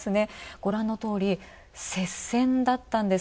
ご覧のとおり、接戦だったんです。